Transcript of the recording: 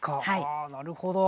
あなるほど。